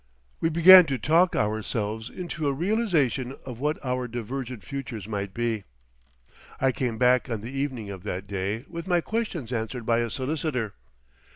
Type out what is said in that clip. We began to talk ourselves into a realisation of what our divergent futures might be. I came back on the evening of that day with my questions answered by a solicitor.